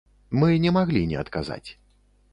Мы не маглі не адказаць.